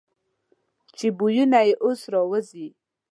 چې بویونه یې اوس را وځي.